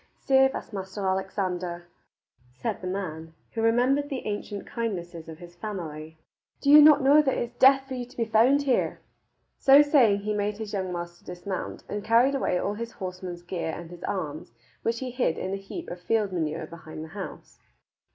"Save us, Maister Alexander," said the man, who rememhered the ancient kindnesses of his family, "do you not know that it is death for you to be found here?" So saying he made his young master dismount, and carried away all his horseman's gear and his arms, which he hid in a heap of field manure behind the house.